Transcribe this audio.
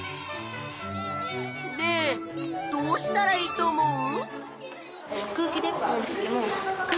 ねえどうしたらいいと思う？